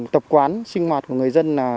tập quán sinh hoạt của người dân